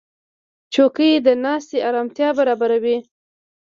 چوکۍ د ناستې آرامتیا برابروي.